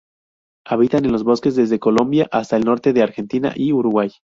Habitan en los bosques desde Colombia hasta el norte de Argentina y Uruguay.